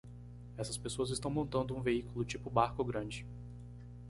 Essas pessoas estão montando um veículo tipo barco grande.